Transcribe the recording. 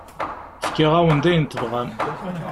Fkiɣ-awen-d ayen tebɣam.